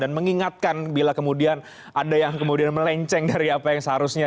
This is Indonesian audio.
dan mengingatkan bila kemudian ada yang kemudian melenceng dari apa yang seharusnya